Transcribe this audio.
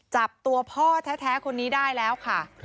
จับตัวพ่อแท้คนนี้ได้แล้วค่ะ